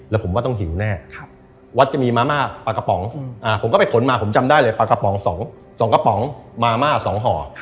แล้วผมว่าต้องหิวแน่วัดจะมีมาม่าปลากระป๋องผมก็ไปขนมาผมจำได้เลยปลากระป๋อง๒กระป๋องมาม่า๒ห่อ